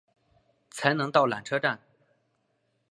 才能到缆车站